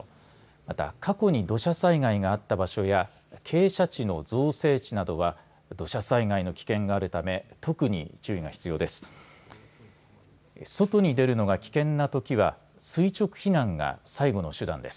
また過去に土砂災害があった場所や傾斜地の造成地などは土砂災害の危険があるため特に注意が必要です。